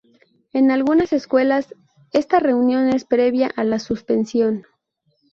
En algunas escuelas esta reunión es previa a la suspensión.